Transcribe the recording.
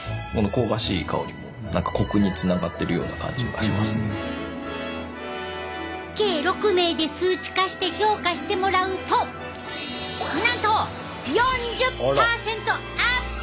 そして計６名で数値化して評価してもらうとなんと４０％アップ！